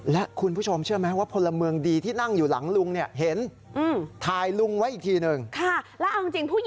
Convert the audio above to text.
และคุณผู้ชมเชื่อไหมว่า